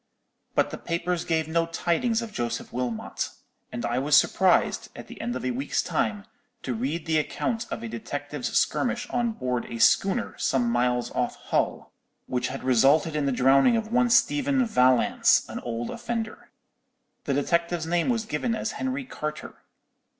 "But the papers gave no tidings of Joseph Wilmot; and I was surprised, at the end of a week's time, to read the account of a detective's skirmish on board a schooner some miles off Hull, which had resulted in the drowning of one Stephen Vallance, an old offender. The detective's name was given as Henry Carter.